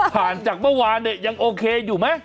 จากเมื่อวานเนี่ยยังโอเคอยู่ไหม